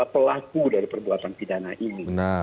pelaku dari perbuatan pidana ini